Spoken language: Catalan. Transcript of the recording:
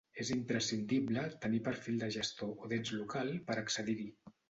És imprescindible tenir perfil de gestor o d'ens local per accedir-hi.